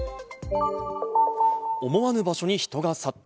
思わぬ場所に人が殺到。